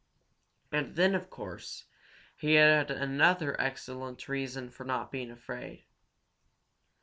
And then, of course, he had another excellent reason for not being afraid.